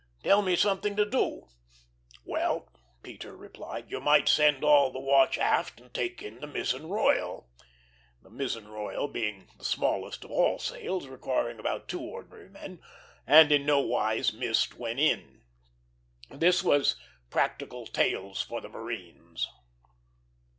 Tell me something to do." "Well," Peter replied, "you might send all the watch aft and take in the mizzen royal" the mizzen royal being the smallest of all sails, requiring about two ordinary men, and in no wise missed when in. This was practical "tales for the marines."